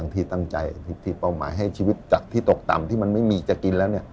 ที่ตั้งใจที่เป้าหมายให้ชีวิตจากที่ตกต่ำที่มันไม่มีจะกินแล้ว